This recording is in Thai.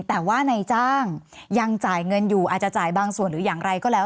แต่ว่านายจ้างยังจ่ายเงินอยู่อาจจะจ่ายบางส่วนหรืออย่างไรก็แล้ว